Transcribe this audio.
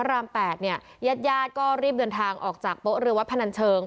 รีบเดินทางออกจากเป๊ะเรือวัดพนันเชิง